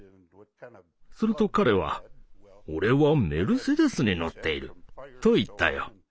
すると彼は「俺はメルセデスに乗っている」と言ったよ。